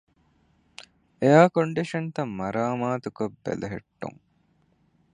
އެއަރ ކޮންޑިޝަންތައް މަރާމާތުކޮށް ބެލެހެއްޓުން